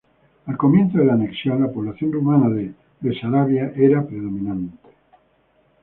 Al comienzo de la anexión, la población rumana de Besarabia era predominante.